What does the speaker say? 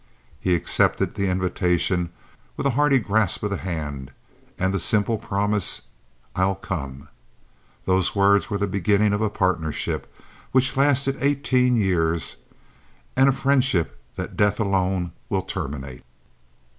He accepted the invitation with a hearty grasp of the hand, and the simple promise "I'll come." Those words were the beginning of a partnership which lasted eighteen years, and a friendship that death alone will terminate.